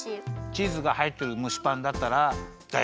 チーズがはいってるむしパンだったらだいすき？